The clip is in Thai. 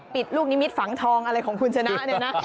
ลูกนิมิตฝังทองอะไรของคุณชนะเนี่ยนะ